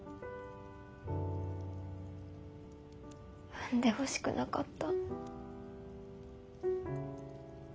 産んでほしくなかった。